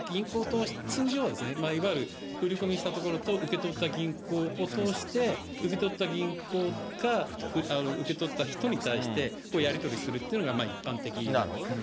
通常は、いわゆる振り込みしたところと受け取った銀行を通して、受け取った銀行か受け取った人に対して、やり取りするっていうのが一般的なんですね。